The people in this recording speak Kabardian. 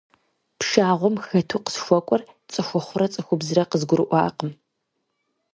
Пшагъуэм хэту къысхуэкӏуэр цӏыхухъурэ цӏыхубзрэ къызгурыӏуакъым.